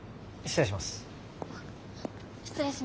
失礼します。